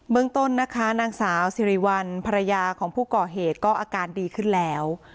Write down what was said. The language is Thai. เมืองต้นนะคะนางสาวสิริวัลภรรยาของผู้ก่อเหตุก็อาการดีขึ้นแล้ว